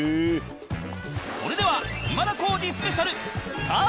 それでは今田耕司スペシャルスタートです